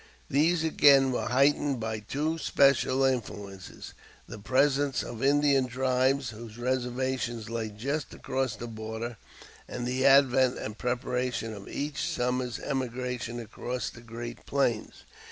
These again were heightened by two special influences the presence of Indian tribes whose reservations lay just across the border, and the advent and preparation of each summer's emigration across the great plains.